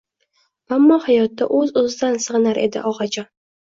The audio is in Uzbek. Ammo hayotda o‘z-o‘zidan sig‘inar edi, og‘ajon!